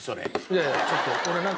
いやいやちょっと。